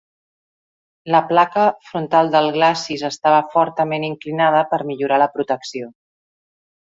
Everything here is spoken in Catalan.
La placa frontal del glacis estava fortament inclinada per millorar la protecció.